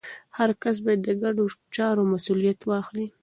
هر کس باید د ګډو چارو مسوولیت واخلي.